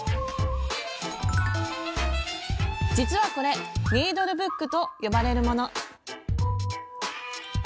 実はこれニードルブックと呼ばれるもの。